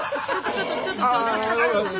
ちょっとちょっと頂戴。